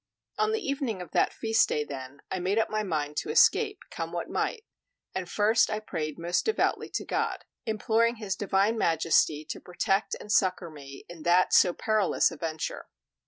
On the evening of that feast day, then, I made up my mind to escape, come what might; and first I prayed most devoutly to God, imploring his Divine Majesty to protect and succor me in that so perilous a venture.